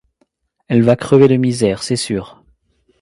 Elle va crever de misère, c’est sûr.